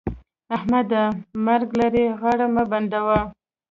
احمده! مرګ لرې؛ غاړه مه بندوه.